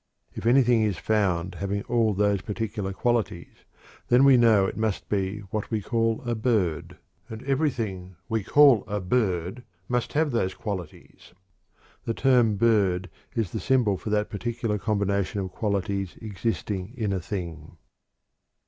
If anything is found having all of those particular qualities, then we know it must be what we call a "bird." And everything that we call a "bird" must have those qualities. The term "bird" is the symbol for that particular combination of qualities existing in a thing.